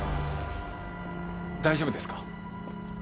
大丈夫ですか？